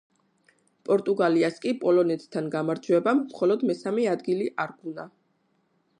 პორტუგალიას კი პოლონეთთან გამარჯვებამ მხოლოდ მესამე ადგილი არგუნა.